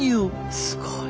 すごい！